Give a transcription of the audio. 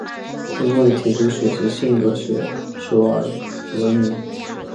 因为提出血型性格学说而闻名。